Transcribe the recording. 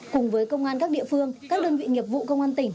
cùng với công an các địa phương các đơn vị nghiệp vụ công an tỉnh